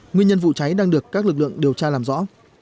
nguyên nhân vụ cháy đang được các lực lượng điều tra làm rõ